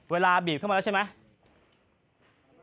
บีบเข้ามาแล้วใช่ไหม